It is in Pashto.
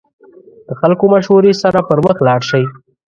د خلکو مشورې سره پرمخ لاړ شئ.